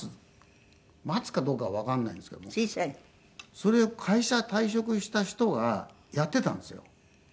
それを会社退職した人がやっていたんですよ。